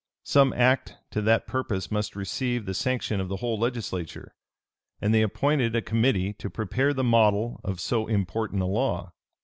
Some act to that purpose must receive the sanction of the whole legislature; and they appointed a committee to prepare the model of so important a law.